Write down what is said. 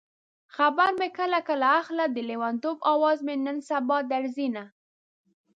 خبر مې کله کله اخله د لېونتوب اواز مې نن سبا درځينه